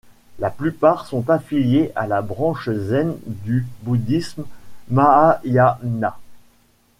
La plupart sont affiliés à la branche zen du bouddhisme mahāyāna.